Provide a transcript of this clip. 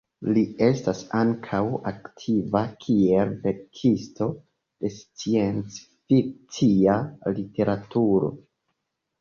Li estas ankaŭ aktiva kiel verkisto de sciencfikcia literaturo.